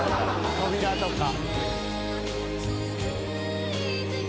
扉とか。